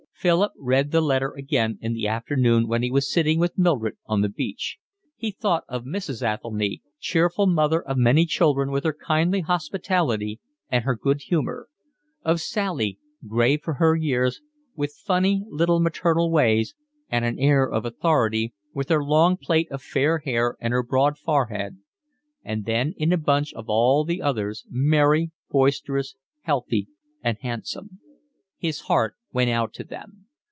Philip read the letter again in the afternoon when he was sitting with Mildred on the beach. He thought of Mrs. Athelny, cheerful mother of many children, with her kindly hospitality and her good humour; of Sally, grave for her years, with funny little maternal ways and an air of authority, with her long plait of fair hair and her broad forehead; and then in a bunch of all the others, merry, boisterous, healthy, and handsome. His heart went out to them.